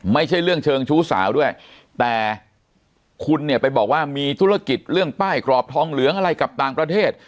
ไม่ใช่เรื่องเชิงชู้สาวด้วยแต่คุณเนี่ยไปบอกว่ามีธุรกิจเรื่องป้ายกรอบทองเหลืองอะไรกับต่างประเทศ